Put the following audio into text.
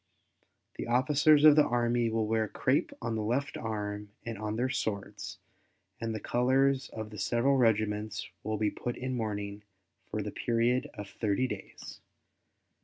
The officers of the Army will wear crape on the left arm and on their swords and the colors of the several regiments will be put in mourning for the period of thirty days.